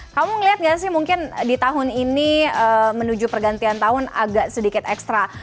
kamu ngeliat gak sih mungkin di tahun ini menuju pergantian tahun agak sedikit ekstra